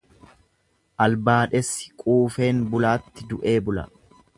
Albaadhessi quufeen bulaatti du'ee bula.